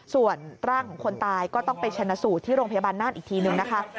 ส่วนร่างของคนตายก็ต้องไปชนะสูตรที่โรงพยาบาลน่านอีกทีนึงนะคะ